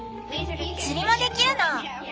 釣りもできるの。